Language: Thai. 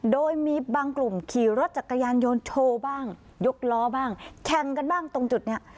โดยมีบางกลุ่มขี่รถจักรยานยนต์โชว์บ้างยกล้อบ้างแข่งกันบ้างตรงจุดนี้